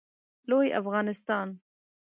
لوی افغانستان